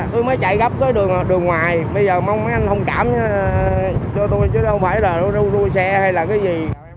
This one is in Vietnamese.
tôi mới chạy gấp cái đường ngoài bây giờ mong mấy anh không cảm cho tôi chứ đâu phải là đâu đua xe hay là cái gì